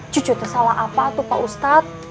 cucu teh salah apa tuh pak ustadz